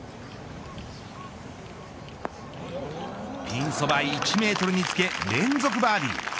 ピンそば１メートルにつけ連続バーディー。